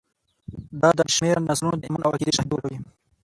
دا د بې شمېره نسلونو د ایمان او عقیدې شاهدي ورکوي.